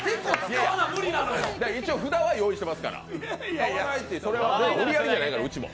一応、札は用意してますから買わないっていう、無理やりじゃないからうちも。